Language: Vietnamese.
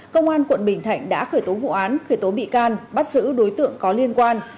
công an quận bình thạnh đã khởi tố vụ án khởi tố bị can bắt giữ đối tượng có liên quan